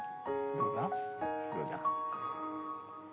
どうだ？